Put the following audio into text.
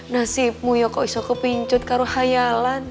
nasibmu ya kau bisa kepincut karo hayalan